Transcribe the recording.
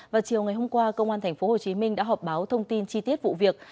vào chiều ngày hôm qua công an tp hcm đã họp báo thông tin chi tiết vụ việc